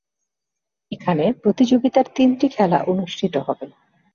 এখানে প্রতিযোগিতার তিনটি খেলা অনুষ্ঠিত হবে।